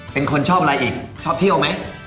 เป็นคนชอบอะไรอีกชอบเที่ยวไหม